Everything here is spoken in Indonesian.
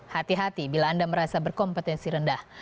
hati hati bila anda merasa berkompetensi rendah